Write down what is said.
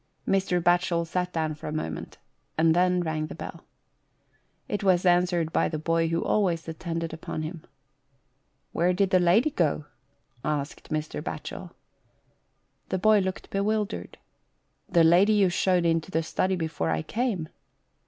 Mr. Batchel sat down for a moment, and then rang the bell. It was answered by the boy who always attended upon him. " When did the lady go ?" asked Mr. Batchel. The boy looked bewildered. " The lady you showed into the study before I came."